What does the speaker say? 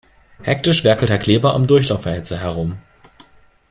Hektisch werkelt Herr Kleber am Durchlauferhitzer herum.